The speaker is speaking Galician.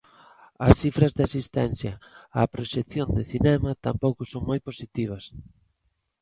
As cifras de asistencia a proxeccións de cinema tampouco son moi positivas.